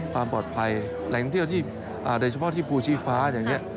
ความปลอดภัยแหล่งท่องเที่ยวที่โดยเฉพาะที่ภูชีฟ้าอย่างนี้